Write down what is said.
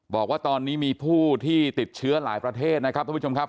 บอกว่าตอนนี้มีผู้ที่ติดเชื้อหลายประเทศนะครับท่านผู้ชมครับ